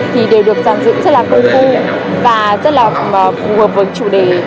thì đều được giàn dựng rất là công phu và rất là phù hợp với chủ đề